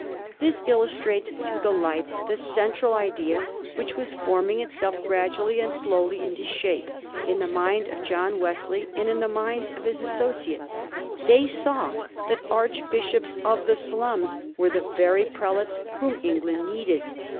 This illustrates to the life the central idea which was forming itself gradually and slowly into shape in the mind of John Wesley and in the minds of his associates. They saw that archbishops of the slums were the very prelates whom England needed.